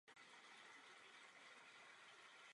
Chystáte se případně upravit zátěžové testy?